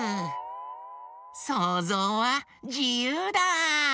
そうぞうはじゆうだ！